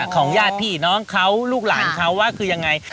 ของญาติลูกหลานพี่กับเขาคือยังไง